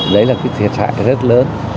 đấy là cái thiệt hại rất lớn